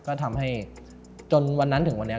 ก็ทำให้จนวันนั้นถึงวันนี้